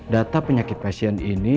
data penyakit pasien ini